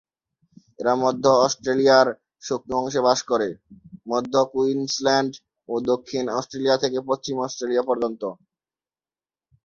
এরা মধ্য অস্ট্রেলিয়ার শুকনো অংশে বাস করে, মধ্য কুইন্সল্যান্ড ও দক্ষিণ অস্ট্রেলিয়া থেকে পশ্চিম অস্ট্রেলিয়া পর্যন্ত।